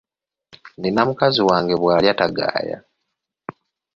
Nina mukazi wange bw’alya tagaaya.